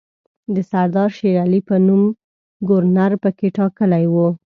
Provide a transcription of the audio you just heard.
د سردار شېرعلي په نوم ګورنر پکې ټاکلی وو.